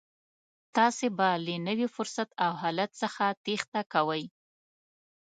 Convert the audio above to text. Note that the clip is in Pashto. تاسې به له نوي فرصت او حالت څخه تېښته کوئ.